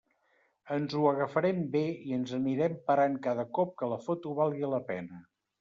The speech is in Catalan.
Ens ho agafarem bé i ens anirem parant cada cop que la foto valgui la pena.